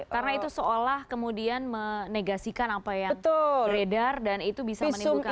karena itu seolah kemudian menegasikan apa yang beredar dan itu bisa menimbulkan persensi